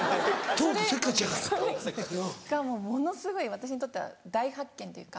それがもうものすごい私にとっては大発見というか。